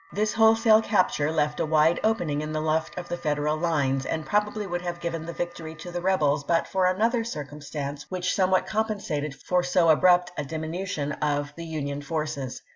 This wholesale capture left a wide opening in the left of the Federal lines, and probably would have 328 ABRAHAM LINCOLN ch. xviri. given the victory to the rebels but for another circumstauee which somewhat compensated for so abrupt a diminution of the Union forces.